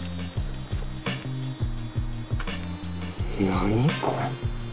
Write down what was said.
何これ。